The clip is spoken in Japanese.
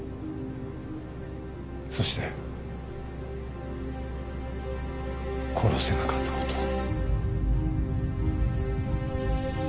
そして殺せなかったことを。